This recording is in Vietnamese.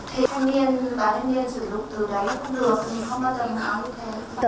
thì thông niên bà thông niên sử dụng từ đấy cũng được nhưng không bao giờ nào như thế